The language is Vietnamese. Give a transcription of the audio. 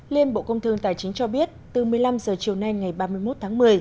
liên bộ công thương tài chính cho biết từ một mươi năm h chiều nay ngày ba mươi một tháng một mươi